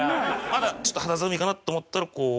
まだちょっと肌寒いかなと思ったらこう。